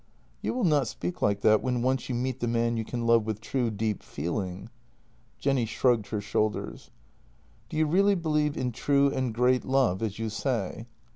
" You will not speak like that when once you meet the man you can love with true, deep feeling." Jenny shrugged her shoulders: " Do you really believe in true and great love as you say?